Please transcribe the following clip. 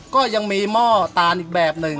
ก็ยังมีหม้อตานอีกแบบหนึ่ง